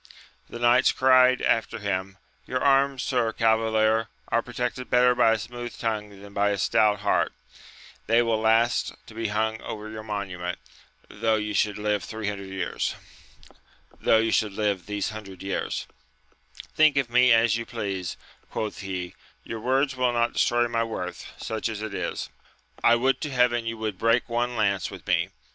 The knights cried after him, Your arms, sir cavalier, are protected better by a smooth tongue than by a stout heart : they will last to. be hung over your monument, though you should live these hundred years ! Think of me as you please, quoth he, your words will not destroy my worth, such as it is. I would to heaven you would break one lance with me